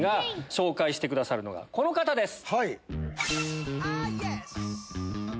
紹介してくださるのはこの方です。